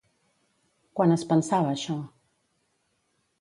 Quan es pensava això?